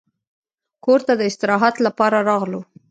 کور ته د استراحت لپاره راغلو.